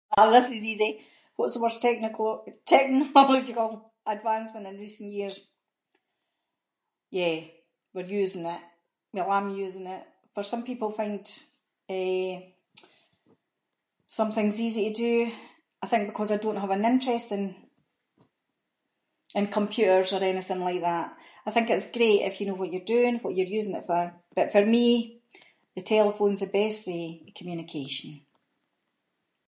Ah this is easy! What’s the worst [inc]- technological advancement in recent years. Yeah, we’re using it, well, I’m using it. For some people find, eh, some things easy to do, I think because I don’t have an interest in- in computers or anything like that. I think it’s great if you know what you’re doing, what you’re using it for, but for me the telephone’s the best way of communication.